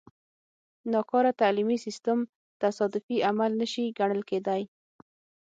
ناکاره تعلیمي سیستم تصادفي عمل نه شي ګڼل کېدای.